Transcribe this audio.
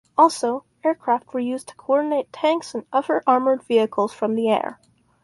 Also aircraft were used to coordinate tanks and other armored vehicles from the air.